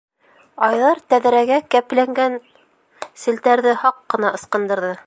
Айҙар тәҙрәгә кәпләнгән селтәрҙе һаҡ ҡына ысҡындырҙы.